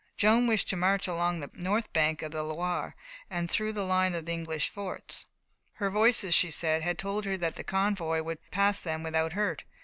Joan wished to march along the north bank of the Loire, and through the line of English forts; her voices, she said, had told her that the convoy would pass them without hurt.